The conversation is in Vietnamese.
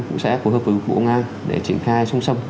cũng sẽ hợp với bộ công an để triển khai chung sông